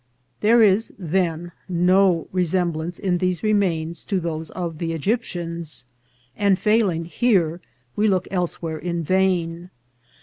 There is, then, no resemblance in these remains to those of the Egyptians ; and, failing here, we look else where in vain.